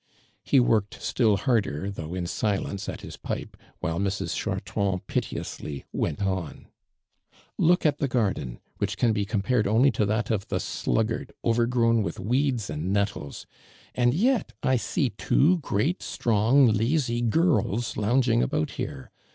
He worked still harder though in silence at his pipe, while Mrs. Chartra'ul pitilessly went on :•' Look at the garden, which can be com pared only to that of the sluggard, over grown with weeds and nettles ; and yet, I ioo two great strong, lazy gii'ls lounging ibout here.